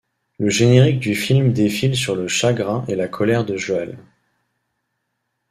Le générique du film défile sur le chagrin et la colère de Joel.